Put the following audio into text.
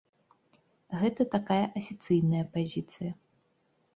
Гэта такая афіцыйная пазіцыя.